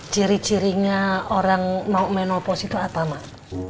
ciri cirinya orang mau menopos itu apa mak